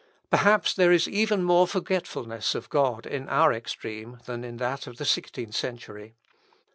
Perhaps there is even more forgetfulness of God in our extreme, than in that of the sixteenth century.